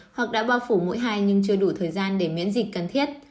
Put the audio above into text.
hoặc đã bao phủ mỗi hai nhưng chưa đủ thời gian để miễn dịch cần thiết